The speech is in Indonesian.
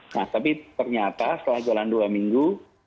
nah tapi ternyata setelah jalan dua minggu